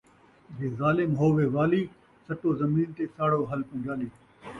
جے ظالم ہووے والی ، سٹو زمین تے ساڑو ہل پن٘جالی